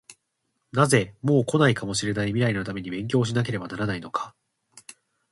なぜ、もう来ないかもしれない未来のために勉強しなければならないのか？